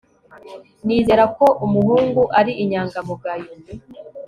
Nizera ko umuhungu ari inyangamugayo